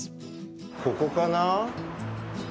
ここかな？